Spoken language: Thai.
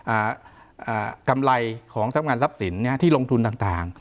อ่าอ่ากำไรของทรัพย์งานทรัพย์สินเนี้ยที่ลงทุนต่างต่าง